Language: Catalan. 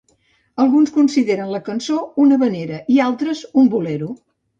Alguns consideren la cançó una havanera i altres, un bolero.